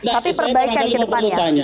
tapi perbaikan ke depannya